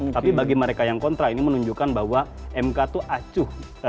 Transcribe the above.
tapi bagi mereka yang kontra ini menunjukkan bahwa mk tuh acuh